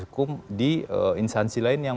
hukum di instansi lain yang